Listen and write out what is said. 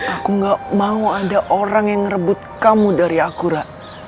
aku ga mau ada orang yang ngerebut kamu dari aku ra